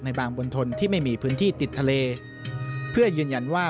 บางบนทนที่ไม่มีพื้นที่ติดทะเลเพื่อยืนยันว่า